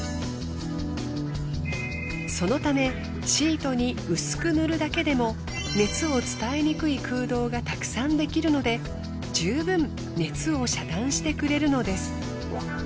そのためシートに薄く塗るだけでも熱を伝えにくい空洞がたくさんできるので十分熱を遮断してくれるのです。